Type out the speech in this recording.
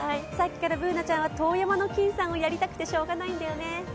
さっきからＢｏｏｎａちゃんは遠山の金さんをやりたくてしょうがないんだよね。